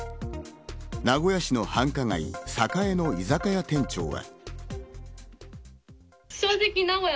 名古屋市の繁華街・栄の居酒屋店長は。